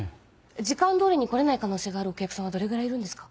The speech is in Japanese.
時間通りに来れない可能性があるお客さんはどれぐらいいるんですか？